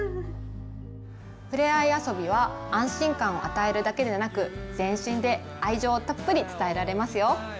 ふれあい遊びは安心感を与えるだけでなく全身で愛情をたっぷり伝えられますよ。